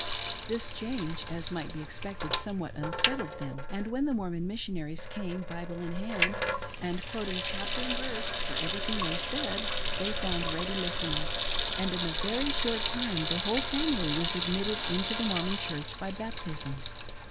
This ^hange, as might be expected, somewhat unsettled them, and when the Mormon Missionaries came, Bible in hand, and quoting chapter and verse for everything they said, they found ready listeners ; and in a very short time the whole family was admitted into the Mormon Church by baptism.